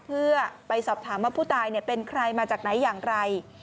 เพื่อไปสอบถามว่าผู้ตายเป็นใครมาจากไหนอย่างไร